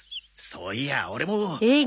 そういやオレも。